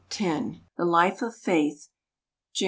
10), the hfe of faith (Jam.